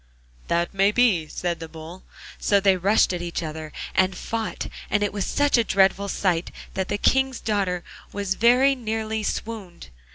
'That may be,' said the Bull; so they rushed at each other, and fought, and it was such a dreadful sight that the King's daughter very nearly swooned.